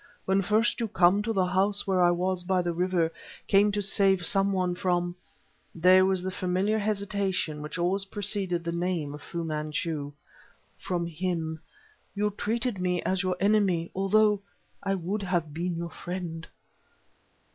When first you came to the house where I was, by the river came to save some one from" (there was the familiar hesitation which always preceded the name of Fu Manchu) "from him, you treated me as your enemy, although I would have been your friend..."